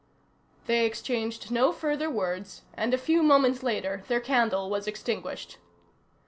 They exchanged no further words, and a few moments later their candle was extinguished.